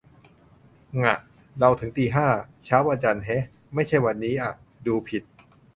ง่ะ เราถึงตีห้า เช้าวันจันทร์แฮะ ไม่ใช่วันนี้อ่ะ ดูผิด